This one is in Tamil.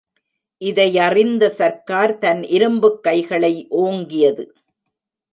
இதையறிந்த சர்க்கார் தன் இரும்புக் கைகளை ஓங்கியது.